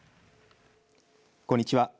こんにちは。